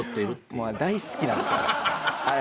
あれもう大好きなんですよね。